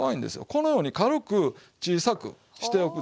このように軽く小さくしておくでしょ。